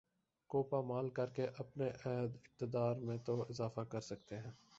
کو پامال کرکے اپنے عہد اقتدار میں تو اضافہ کر سکتے ہیں